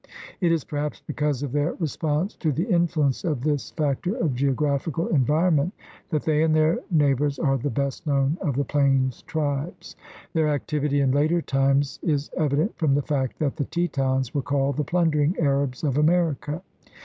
It is perhaps because of their response to the influence of this factor of geo graphical environment that they and their neigh bors are the best known of the plains tribes. Their activity in later times is evident from the fact that the Tetons were called "the plundering Arabs of America."